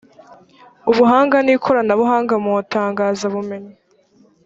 ubuhanga n ikoranabuhanga mu itangazabumenyi